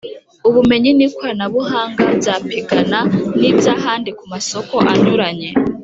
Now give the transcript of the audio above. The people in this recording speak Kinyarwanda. ubumenyi n'ikoranabuhanga byapigana n'iby'ahandi ku masoko anyuranye.